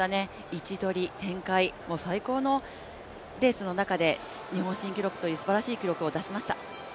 位置取り、展開、もう最高のレースの中で日本新記録というすばらしい記録を出しました。